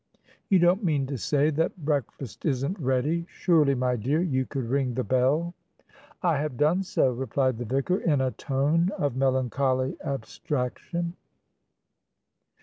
"You don't mean to say that breakfast isn't ready! Surely, my dear, you could ring the bell?" "I have done so," replied the vicar, in a tone of melancholy abstraction.